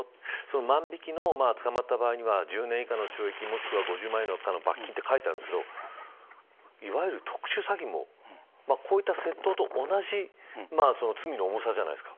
万引きで捕まった場合は１０年以下の懲役５０万以下の罰金って書いてあるんですけどいわゆる特殊詐欺もこういった窃盗と同じ罪の重さじゃないですか。